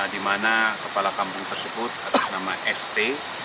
di mana kepala kampung tersebut atas nama st